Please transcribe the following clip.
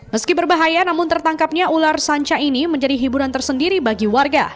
meski berbahaya namun tertangkapnya ular sanca ini menjadi hiburan tersendiri bagi warga